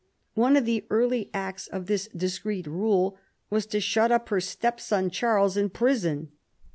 One of the early acts of til is discreet rule was to shut up her step son Charles in prison.